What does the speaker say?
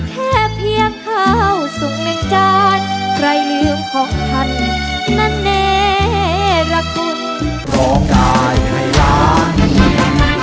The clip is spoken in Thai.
แค่เพียงเข้าสุขแม่งจานใครลืมของทันมันเน่รกคุณ